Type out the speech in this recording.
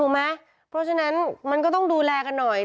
เพราะฉะนั้นมันก็ต้องดูแลกันหน่อย